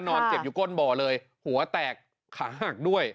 นอนเจ็บอยู่ก้นบ่อเลยหัวแตกขาหักด้วย